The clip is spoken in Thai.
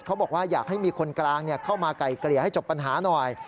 บอกว่าอยากให้มีคนกลางเข้ามาไก่เกลี่ยให้จบปัญหาหน่อย